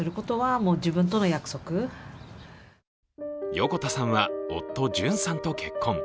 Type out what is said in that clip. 横田さんは夫・潤さんと結婚。